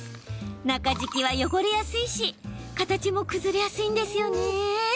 中敷きは汚れやすいし形も崩れやすいんですよね。